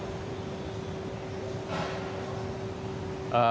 sehingga kita harus melakukan penyimpanan di mana saja